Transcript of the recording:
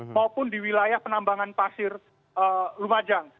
maupun di wilayah penambangan pasir lumajang